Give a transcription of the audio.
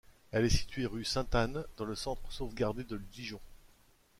Elle est située rue Sainte-Anne, dans le centre sauvegardé de Dijon.